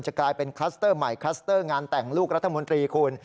กลายเป็นคลัสเตอร์ใหม่คลัสเตอร์งานแต่งลูกรัฐมนตรีคุณ